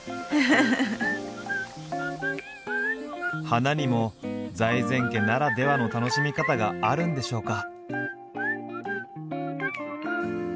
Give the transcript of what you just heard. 花にも財前家ならではの楽しみ方があるんでしょうか？